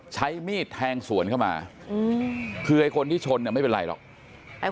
ใช้มีดแทงสวนเข้ามาคือไอ้คนที่ชนเนี่ยไม่เป็นไรหรอก